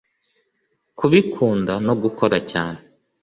kubikunda no gukora cyane